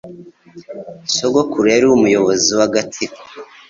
Sogokuru yari umuyobozi w'agatsiko.